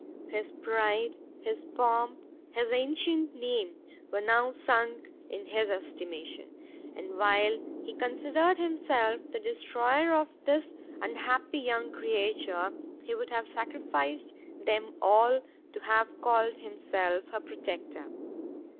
His pride, his pomp, his ancient name, were now sunk in his estimation; and while he considered himself the destroyer of this unhappy young creature, he would have sacrificed them all to have called himself her protector.